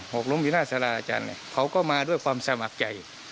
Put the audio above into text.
หกล้มอยู่หน้าสาราอาจารย์เขาก็มาด้วยความสมัครใจ